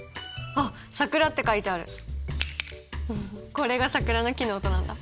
これがサクラの木の音なんだ。